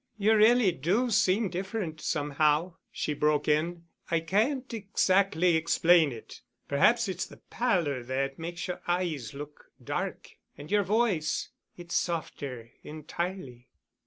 "You really do seem different, somehow," she broke in. "I can't exactly explain it. Perhaps it's the pallor that makes the eyes look dark and your voice—it's softer—entirely."